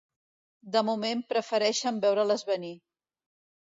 De moment, prefereixen veure-les venir.